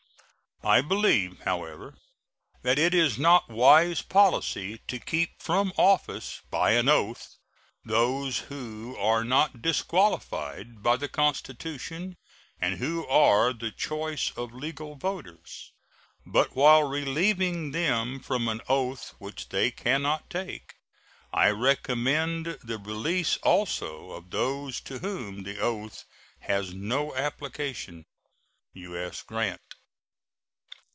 I believe, however, that it is not wise policy to keep from office by an oath those who are not disqualified by the Constitution, and who are the choice of legal voters; but while relieving them from an oath which they can not take, I recommend the release also of those to whom the oath has no application. U.S. GRANT.